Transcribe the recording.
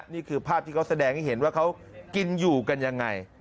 นี่คือภาพที่เขาแสดงให้เห็นว่าเขากินอยู่กันยังไง